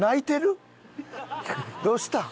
どうしたん？